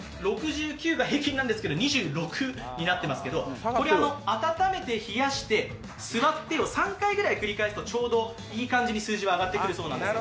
６９が平均なんですけど２０ぐらいになっていますけども温めて冷やして座ってを３回ぐらい繰り返すとちょうどいい感じに数字は上がってくるそうなんです。